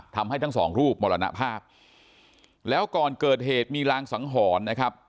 ทั้งสองรูปมรณภาพแล้วก่อนเกิดเหตุมีรางสังหรณ์นะครับ